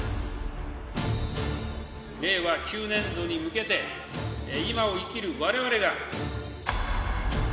令和９年度に向けて、今を生きるわれわれが。